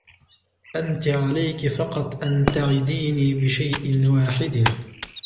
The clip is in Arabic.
أنتِ عليكِ فقط أن تعِديني بشيء واحد.